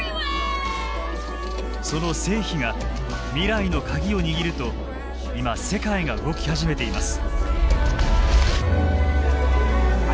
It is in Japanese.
その成否が未来の鍵を握ると今世界が動き始めています。